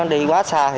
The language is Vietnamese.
đi quá xa